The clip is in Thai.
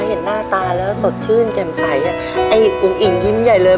เห็นหน้าตาแล้วสดชื่นแจ่มใสไอ้อุ๋งอิ่งยิ้มใหญ่เลย